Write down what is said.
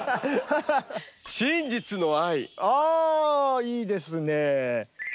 あいいですね。